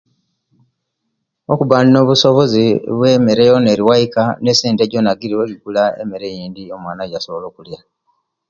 Okuba nobusoboozi bwemere yona eri owaika, na essente gyoona giriwo ejigula emere eyindi omwaana egy'asobola okulyaa.